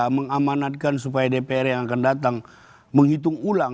mengamanatkan supaya dpr yang akan datang menghitung ulang